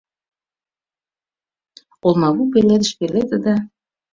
Олмапу пеледыш пеледе да